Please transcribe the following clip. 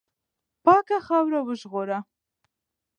پاکه خاوره وژغوره.